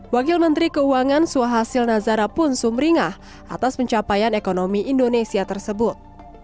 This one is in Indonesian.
wakil menteri keuangan suhasil nazara pun sumringah atas pencapaian ekonomi indonesia tersebut